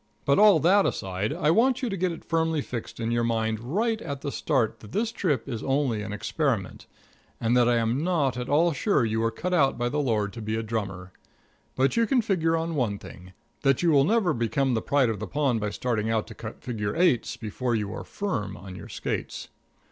But all that aside, I want you to get it firmly fixed in your mind right at the start that this trip is only an experiment, and that I am not at all sure you were cut out by the Lord to be a drummer. But you can figure on one thing that you will never become the pride of the pond by starting out to cut figure eights before you are firm on your skates.